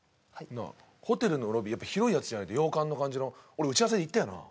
なあホテルのロビーやっぱ広いやつじゃないと洋館の感じの俺打ち合わせで言ったよな